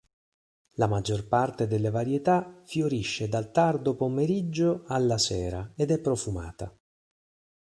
La maggior parte delle varietà fiorisce dal tardo pomeriggio alla sera ed è profumata.